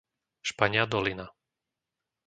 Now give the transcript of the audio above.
Špania Dolina